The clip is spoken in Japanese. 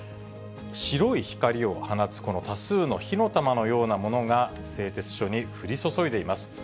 白い光を放つこの多数の火の玉のようなものが、製鉄所に降り注いでいます。